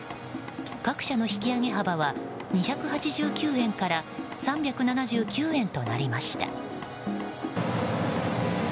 各社の引き上げ幅は２８９円から３７９円となりました。